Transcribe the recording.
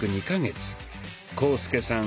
浩介さん